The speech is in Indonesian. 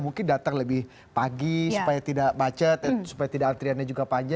mungkin datang lebih pagi supaya tidak macet supaya tidak antriannya juga panjang